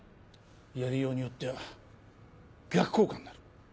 やりようによっては逆効果になる。